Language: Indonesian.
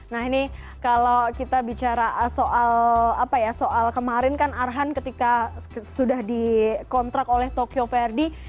nah ini kalau kita bicara soal kemarin kan arhan ketika sudah di kontrak oleh tokyo verde